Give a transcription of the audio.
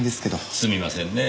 すみませんねぇ